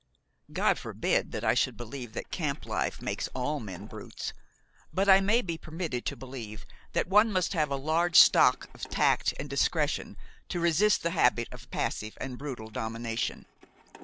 God forbid that I should believe that camp life makes all men brutes! but I may be permitted to believe that one must have a large stock of tact and discretion to resist the habit of passive and brutal domination.